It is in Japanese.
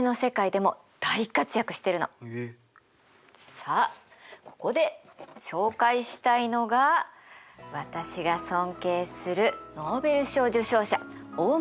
さあここで紹介したいのが私が尊敬するノーベル賞受賞者大村智さん。